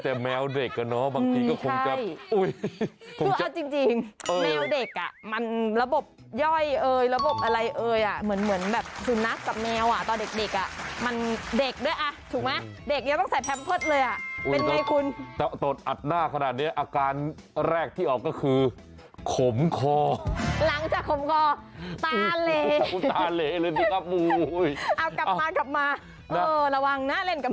อ้าวกลับมากลับมาระวังนะเล่นกับแมวระวัง